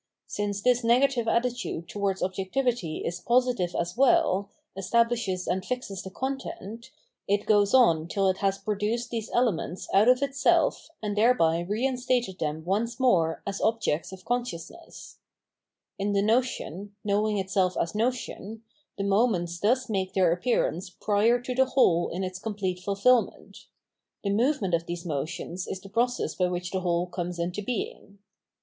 Since this negative attitude towards objectivity is positive as weU, establishes and fixes the content, it goes on tiU it has produced these elements out of itself and thereby reinstated them once more as objects of consciousness. In the notion, knowing itself as notion, the moments thus make their appearance prior to the whole in its complete fulfilment ; the movement of these moments is the process by which 813 Absolute Knowledge the whole comes into being.